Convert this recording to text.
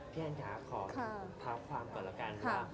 พี่แอนค่ะขอภาพความก่อนละกันค่ะ